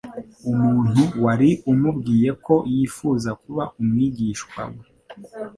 Umuntu wari umubwiye ko yifuza kuba umwigishwa we,